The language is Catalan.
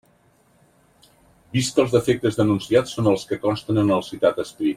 Vist que els defectes denunciats són els que consten en el citat escrit.